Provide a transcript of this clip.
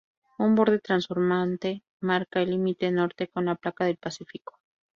Un borde transformante marca el límite norte con la placa del Pacífico.